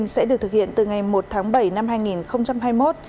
sẽ được thực hiện từ ngày một tháng bảy năm hai nghìn hai mươi một